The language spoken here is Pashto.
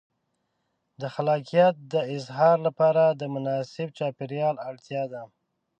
د خلاقیت د اظهار لپاره د مناسب چاپېریال اړتیا ده.